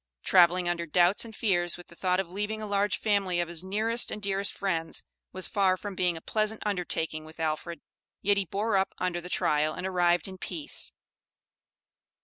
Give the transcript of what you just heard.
Traveling under doubts and fears with the thought of leaving a large family of his nearest and dearest friends, was far from being a pleasant undertaking with Alfred, yet he bore up under the trial and arrived in peace.